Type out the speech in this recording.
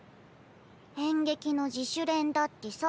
演劇の自主練だってさ。